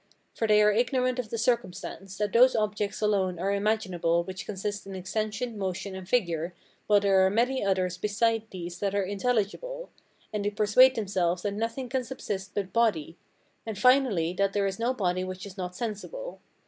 For they are ignorant of the circumstance, that those objects alone are imaginable which consist in extension, motion, and figure, while there are many others besides these that are intelligible; and they persuade themselves that nothing can subsist but body, and, finally, that there is no body which is not sensible.